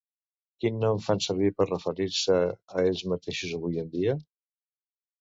Quin nom fan servir per referir-se a ells mateixos avui en dia?